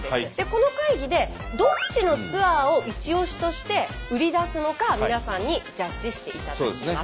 この会議でどっちのツアーをイチオシとして売り出すのか皆さんにジャッジしていただきます。